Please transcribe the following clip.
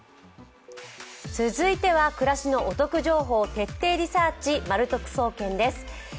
続いては暮らしのお得情報を徹底リサーチ、「まる得総研」です。